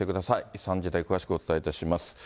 ３時台、詳しくお伝えいたします。